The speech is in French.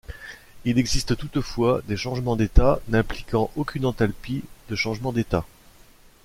Il existe toutefois des changements d'état n'impliquant aucune enthalpie de changement d'état.